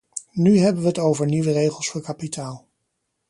Nu hebben we het over nieuwe regels voor kapitaal.